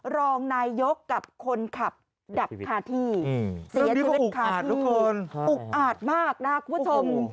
รองนายยกกับคนขับดับคาที่เสียชีวิตคาทุกคนอุกอาจมากนะครับคุณผู้ชม